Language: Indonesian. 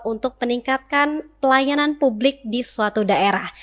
untuk meningkatkan pelayanan publik di suatu daerah